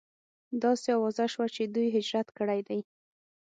داسې اوازه شوه چې دوی هجرت کړی دی.